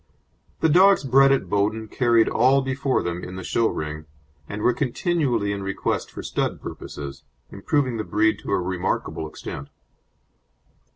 The dogs bred at Bowden carried all before them in the show ring, and were continually in request for stud purposes, improving the breed to a remarkable extent.